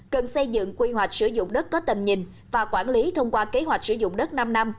cần xây dựng quy hoạch sử dụng đất có tầm nhìn và quản lý thông qua kế hoạch sử dụng đất năm năm